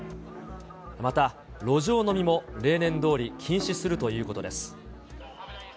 また路上飲みも例年どおり禁止するということです。